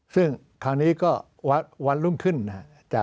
ซึ่งคราวนี้ก็วันรุ่นขึ้นฮะ